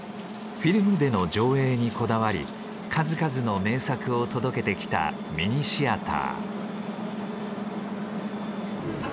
フィルムでの上映にこだわり数々の名作を届けてきたミニシアター。